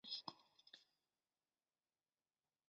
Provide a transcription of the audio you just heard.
通讷人口变化图示